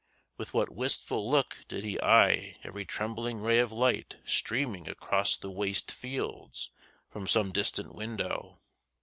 With what wistful look did be eye every trembling ray of light streaming across the waste fields from some distant window!